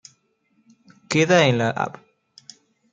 Queda en la Av.